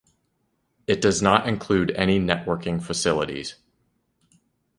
It does not include any networking facilities.